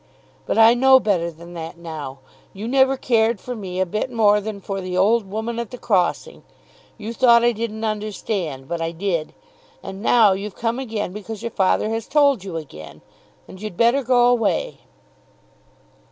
But I know better than that now. You never cared for me a bit more than for the old woman at the crossing. You thought I didn't understand; but I did. And now you've come again; because your father has told you again. And you'd better go away."